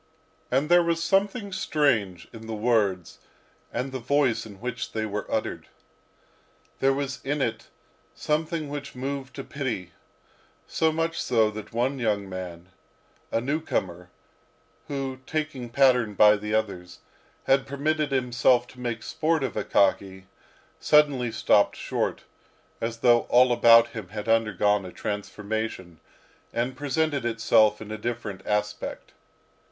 And there was something strange in the words and the voice in which they were uttered. There was in it something which moved to pity; so much so that one young man, a newcomer, who, taking pattern by the others, had permitted himself to make sport of Akaky, suddenly stopped short, as though all about him had undergone a transformation, and presented itself in a different aspect.